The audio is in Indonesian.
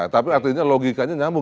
tapi artinya logikanya nyambung